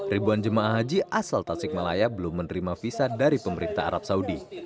ribuan jemaah haji asal tasikmalaya belum menerima visa dari pemerintah arab saudi